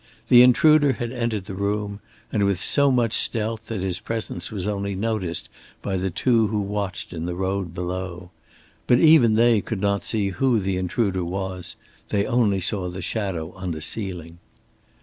The intruder had entered the room; and with so much stealth that his presence was only noticed by the two who watched in the road below. But even they could not see who the intruder was, they only saw the shadow on the ceiling.